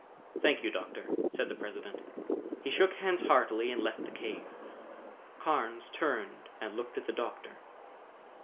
"Thank you, Doctor," said the President. He shook hands heartily and left the cave. Carnes turned and looked at the Doctor.